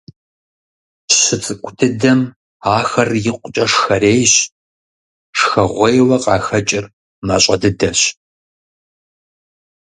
ЩыцӀыкӀу дыдэм ахэр икъукӀэ шхэрейщ, шхэгъуейуэ къахэкӀыр мащӀэ дыдэщ.